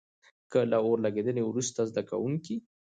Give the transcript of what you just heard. که له اور لګېدنې وروسته زده کوونکي.